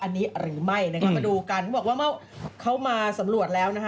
นี่เขาจัวโหวนะฮะ